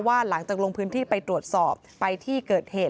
หลังจากลงพื้นที่ไปตรวจสอบไปที่เกิดเหตุ